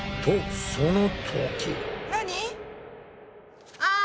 何？